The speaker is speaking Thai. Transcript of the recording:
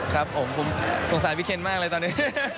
ครับผมผมสงสารพี่เคนมากเลยตอนนี้